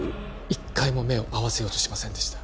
１回も目を合わせようとしませんでした